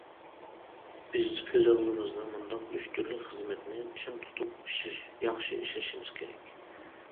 بىز كۆز ئالدىمىزدا مۇنداق ئۈچ تۈرلۈك خىزمەتنى چىڭ تۇتۇپ ياخشى ئىشلىشىمىز كېرەك.